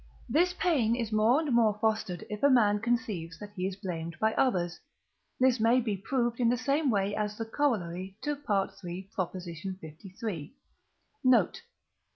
This pain is more and more fostered, if a man conceives that he is blamed by others; this may be proved in the same way as the corollary to III. liii. Note.